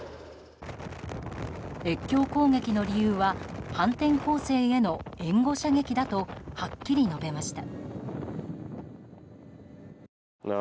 越境攻撃の理由は反転攻勢への援護射撃だとはっきり述べました。